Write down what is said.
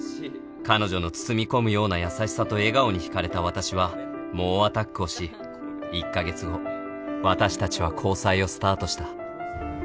彼女の包み込むような優しさと笑顔にひかれた私は猛アタックをし１か月後私たちは交際をスタートした